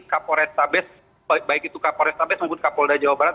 kapol restabias baik itu kapol restabias maupun kapol jawa barat